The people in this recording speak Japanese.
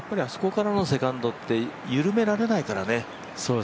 あそこからのセカンドって緩められないからね。